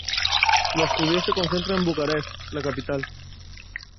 Los judíos se concentran en Bucarest, la capital.